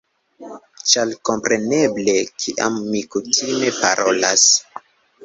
Ĉar kompreneble kiam mi kutime parolas